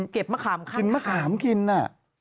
เก็บมะขามข้างข้างกินมะขามกินน่ะ